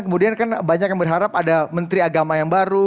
kemudian kan banyak yang berharap ada menteri agama yang baru